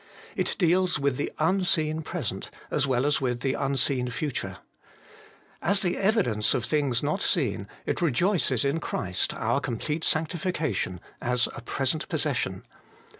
It deals with the unseen present, as well as with the unseen future. As the evidence of things not seen, it rejoices in Christ our complete sanctifica tion, as a present possession.